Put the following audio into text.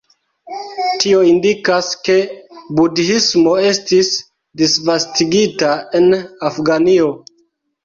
Tio indikas ke Budhismo estis disvastigita en Afganio.